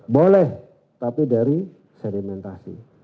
boleh tapi dari sedimentasi